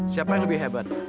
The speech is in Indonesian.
siapa yang lebih hebat